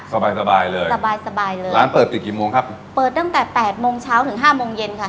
สบายสบายเลยสบายสบายเลยร้านเปิดติดกี่โมงครับเปิดตั้งแต่แปดโมงเช้าถึงห้าโมงเย็นค่ะ